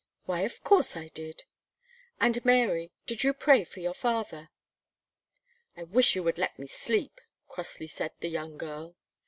"Why, of course I did." "And, Mary, did you pray for your father?" "I wish you would let me sleep," crossly said the young girl.